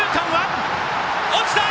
落ちた！